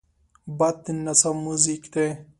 باد د نڅا موزیک دی